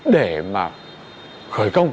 để mà khởi công